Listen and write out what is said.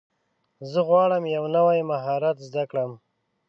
زه غواړم یو نوی مهارت زده کړم.